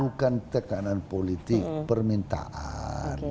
bukan tekanan politik permintaan